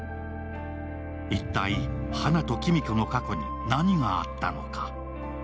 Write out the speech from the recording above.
一体、花と黄美子の過去に何があったのか？